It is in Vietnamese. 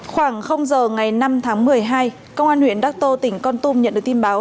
khoảng giờ ngày năm tháng một mươi hai công an huyện đắc tô tỉnh con tum nhận được tin báo